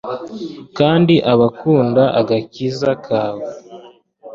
kandi abakunda agakiza kawe